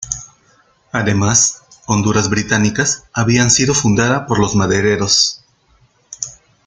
Además, Honduras británicas habían sido fundadas por los madereros.